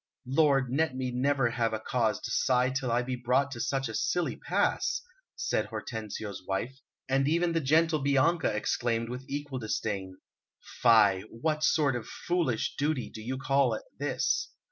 "Lord, let me never have a cause to sigh till I be brought to such a silly pass," said Hortensio's wife, and even the gentle Bianca exclaimed with equal disdain: "Fie! what sort of foolish duty do you call this?"